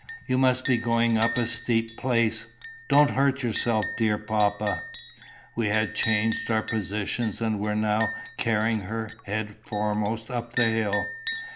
"You must be going up a steep place. Don't hurt yourself, dear papa." We had changed our positions, and were now carrying her, head foremost, up the hill.